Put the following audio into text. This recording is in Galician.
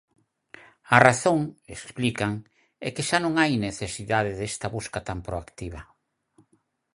A razón, explican, é que xa non hai necesidade desta busca tan proactiva.